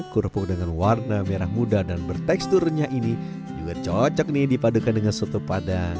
kerupuk dengan warna merah muda dan bertekstur renyah ini juga cocok nih dipadukan dengan soto padang